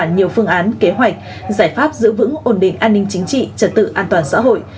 nhiều phương án kế hoạch giải pháp giữ vững ổn định an ninh chính trị trật tự an toàn xã hội